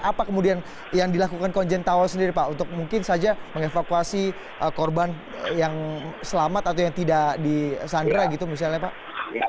apa kemudian yang dilakukan konjen tawo sendiri pak untuk mungkin saja mengevakuasi korban yang selamat atau yang tidak disandra gitu misalnya pak